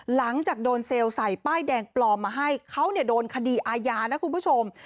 หลังจากโดนเซลล์ใส่ป้ายแดงปลอมมาให้เขาโดนคดีอาญานะคุณผู้ชม